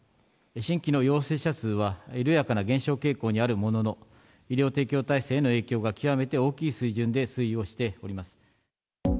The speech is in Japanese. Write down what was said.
新規の陽性者数は緩やかな減少傾向にあるものの、医療提供体制への影響が極めて大きい水準で推移をしております。